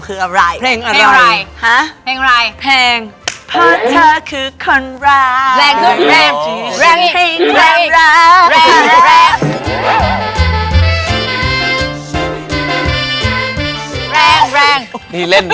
เพราะเธอคือคนรัก